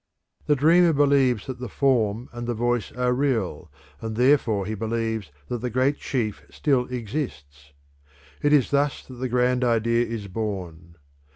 The dreamer believes that the form and the voice are real, and therefore he believes that the great chief still exists. It is thus that the grand idea is born.